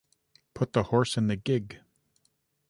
Put the horse in the gig!